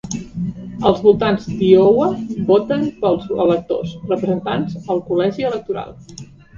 Els votants d'Iowa voten pels electors: representants al Col·legi Electoral.